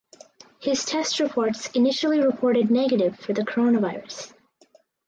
His test reports initially reported negative for the coronavirus.